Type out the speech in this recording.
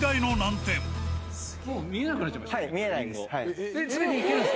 もう見えなくなっちゃいまし見えないです。